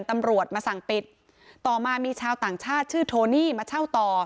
ตำรวจมาสั่งปิดต่อมามีชาวต่างชาติชื่อโทนี่มาเช่าต่อ